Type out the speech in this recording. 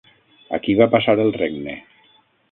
A qui va passar el regne?